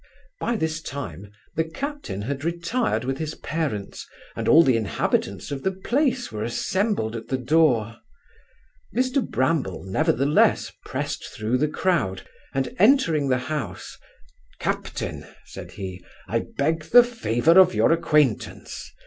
By this time, the captain had retired with his parents, and all the inhabitants of the place were assembled at the door. Mr Bramble, nevertheless, pressed thro' the crowd, and entering the house, 'Captain (said he), I beg the favour of your acquaintance.